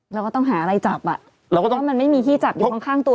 เราก็ต้องหาอะไรจับอ่ะเราก็ต้องเพราะมันไม่มีที่จับอยู่ข้างตัว